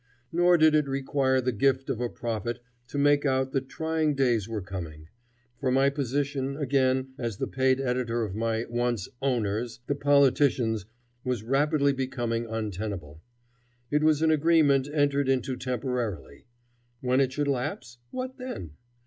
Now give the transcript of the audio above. Nor did it require the gift of a prophet to make out that trying days were coming; for my position, again as the paid editor of my once "owners," the politicians, was rapidly becoming untenable. It was an agreement entered into temporarily. When it should lapse, what then?